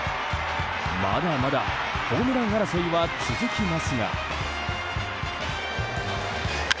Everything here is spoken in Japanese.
まだまだホームラン争いは続きますが。